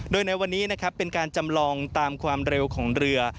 โดยในวันนี้นะครับเป็นการจำลองตามความเร็วของเรือ